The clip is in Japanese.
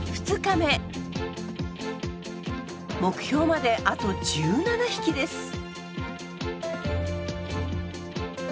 目標まであと１７匹です。